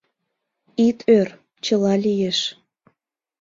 Ит ӧр, чыла лиеш.